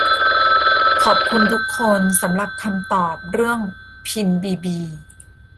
ขอบคุณทุกคนสำหรับคำตอบเรื่องพินบีบี